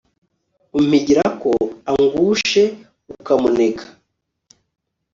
umpigira ngo angushe ukamunega